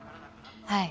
はい。